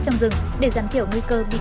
trong rừng để giảm thiểu nguy cơ bị